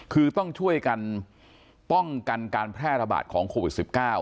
คือต้องช่วยกันป้องกันการแพร่ระบาดของโควิด๑๙